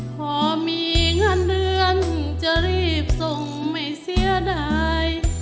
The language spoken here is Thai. พอมีเงินเดือนจะรีบส่งไม่เสียดาย